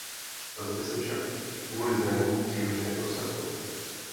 Zde se však i kvůli zranění příliš neprosadil.